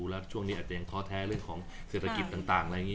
แล้วช่วงนี้ยังคอแท้เรื่องของเศรษฐกิจต่าง